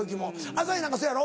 朝日なんかそうやろ？